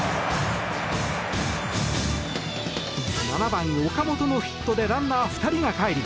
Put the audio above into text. ７番、岡本のヒットでランナー２人がかえり